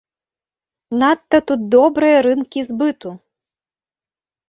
Надта тут добрыя рынкі збыту!